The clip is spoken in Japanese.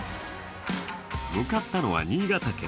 向かったのは新潟県。